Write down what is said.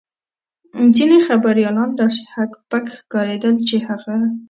ځینې خبریالان داسې هک پک ښکارېدل چې هغه.